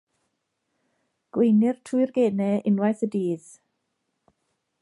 Gweinir trwy'r genau unwaith y dydd.